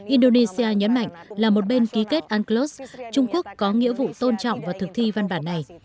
indonesia nhấn mạnh là một bên ký kết unclos trung quốc có nghĩa vụ tôn trọng và thực thi văn bản này